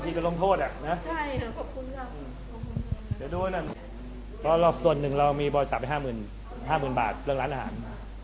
เพราะรอบส่วนหนึ่งเรามีบ่อยจับไปห้าหมื่นบาทเริ่มร้านอาหาร